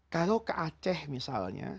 kalau ke aceh misalnya